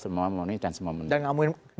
compliance regulasi semua money dan semua menu